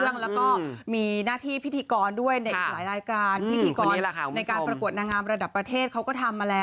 แล้วก็มีหน้าที่พิธีกรด้วยในอีกหลายรายการพิธีกรในการประกวดนางงามระดับประเทศเขาก็ทำมาแล้ว